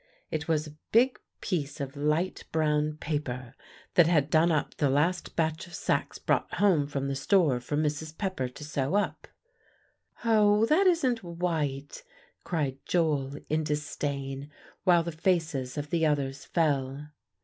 It was a big piece of light brown paper that had done up the last batch of sacks brought home from the store for Mrs. Pepper to sew up. "Hoh, that isn't white!" cried Joel in disdain, while the faces of the others fell.